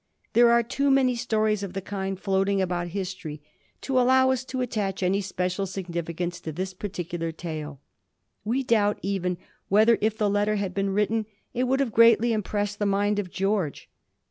There are too many stories of the kind floating about history to allow us to attach any special significance to this particular tale. We doubt even whether, if the letter had been written, it would have greatly impressed the mind of George.